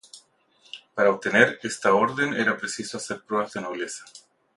Para obtener esta orden era preciso hacer pruebas de nobleza.